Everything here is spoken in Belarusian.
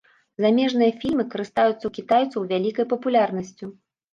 Замежныя фільмы карыстаюцца ў кітайцаў вялікай папулярнасцю.